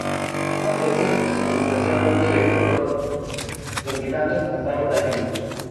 A veces, su conversación cambia de color, reflejando sus estados de ánimo.